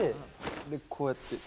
でこうやって。